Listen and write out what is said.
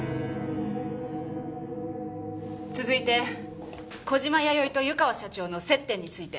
続いて小島弥生と湯川社長の接点について。